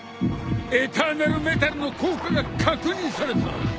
エターナルメタルの効果が確認された。